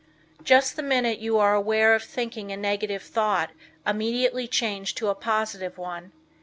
Just the minute you are aware of thinking a negative thought immediately change to a positive one.